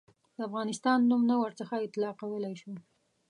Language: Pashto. د افغانستان نوم نه ورڅخه اطلاقولای شو.